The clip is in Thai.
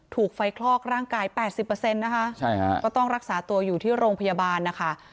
ถูกไฟคลอกร่างกาย๘๐นะคะก็ต้องรักษาตัวอยู่ที่โรงพยาบาลนะคะ